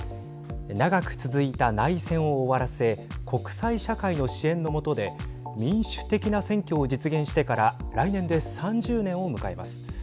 長く続いた内戦を終わらせ国際社会の支援の下で民主的な選挙を実現してから来年で３０年を迎えます。